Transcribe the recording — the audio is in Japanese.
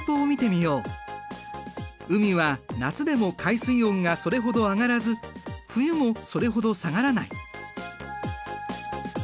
海は夏でも海水温がそれほど上がらず冬もそれほど下がらない。